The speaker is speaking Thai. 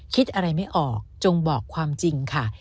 คิดอะไรไม่ออกจงบอกความจริงค่ะ